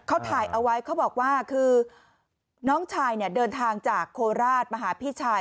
เขาถ่ายเอาไว้เขาบอกว่าคือน้องชายเนี่ยเดินทางจากโคราชมาหาพี่ชาย